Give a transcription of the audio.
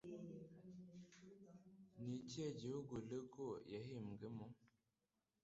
Ni ikihe gihugu Lego yahimbwemo